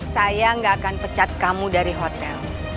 saya gak akan pecat kamu dari hotel